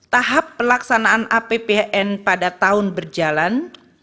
tahap pelaksanaan apbn pada tahun berjalan